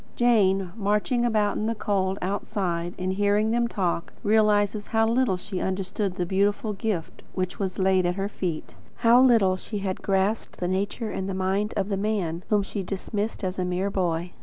Jane, marching about in the cold, outside, and hearing them talk, realises how little she understood the beautiful gift which was laid at her feet; how little she had grasped the nature and mind of the man whom she dismissed as "a mere boy."